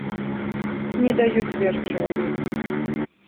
Не даюць веры чалавеку.